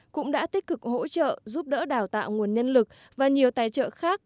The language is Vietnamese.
cũng đã tích cực hỗ trợ giúp đỡ đào tạo nguồn nhân lực và nhiều tài trợ khác